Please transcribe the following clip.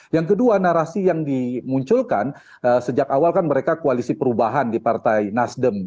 yang kedua narasi yang dimunculkan sejak awal kan mereka koalisi perubahan di partai nasdem